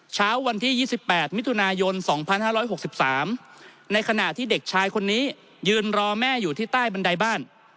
เช้าวันที่๒๘มิถุนายน๒๕๖๓ในขณะที่เด็กชายคนนี้ยืนรอแม่อยู่ที่ใต้บันไดบ้าน